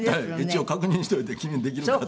一応確認しておいて「君できるか？」